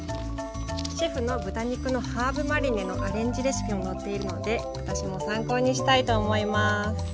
シェフの豚肉のハーブマリネのアレンジレシピも載っているので私も参考にしたいと思います。